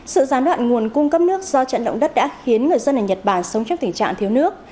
sự gián đoạn nguồn cung cấp nước do trận động đất đã khiến người dân ở nhật bản sống trong tình trạng thiếu nước